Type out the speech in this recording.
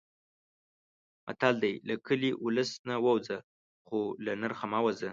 متل دی: له کلي، اولس نه ووځه خو له نرخه مه وځه.